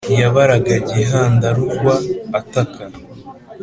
yabaraga gihandagurwa ataka